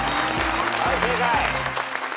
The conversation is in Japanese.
はい正解。